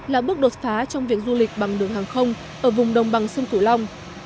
là bước đột phá trong việc du lịch bằng đường hàng không ở vùng đồng bằng sông cửu long